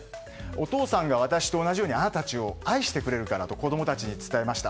お父さんが私と同じようにあなたたちを愛してくれるからと子供たちに伝えました。